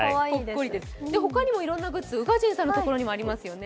他にもいろんなグッズ、宇賀神さんのところにもありますよね。